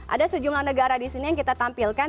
ada sejumlah negara di sini yang kita tampilkan